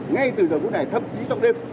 ngay từ giờ cuối này thậm chí trong đêm